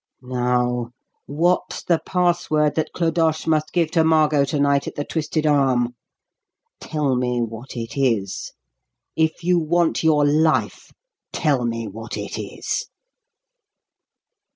Now what's the password that Clodoche must give to Margot to night at 'The Twisted Arm'? Tell me what it is; if you want your life, tell me what it is."